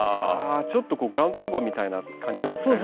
ちょっとグラウンドカバーみたいな感じにも使えるんですかね。